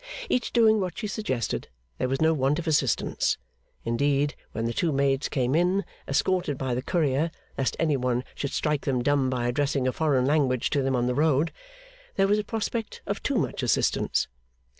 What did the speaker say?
Each doing what she suggested, there was no want of assistance. Indeed, when the two maids came in (escorted by the courier, lest any one should strike them dumb by addressing a foreign language to them on the road), there was a prospect of too much assistance.